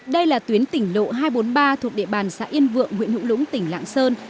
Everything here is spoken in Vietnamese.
đây là tuyến tỉnh lộ hai trăm bốn mươi ba thuộc địa bàn xã yên vượng huyện hữu lũng tỉnh lạng sơn